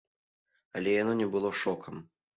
Але яно не было шокам.